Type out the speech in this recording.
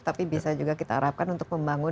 tapi bisa juga kita harapkan untuk membangun